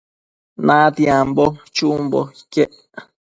Petiambo chumbo iquec